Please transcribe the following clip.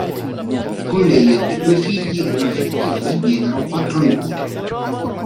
Con lei ebbe due figli e una figlia, che gli diedero quattro nipoti.